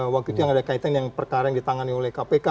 waktu itu yang ada kaitan yang perkara yang ditangani oleh kpk